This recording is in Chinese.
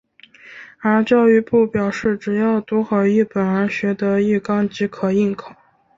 而教育部表示只要读好一本而学得一纲即可应考。